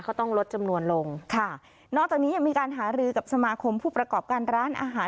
ก็ต้องลดจำนวนลงค่ะนอกจากนี้ยังมีการหารือกับสมาคมผู้ประกอบการร้านอาหาร